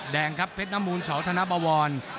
แดงครับเพชรนมูลสวทนบวร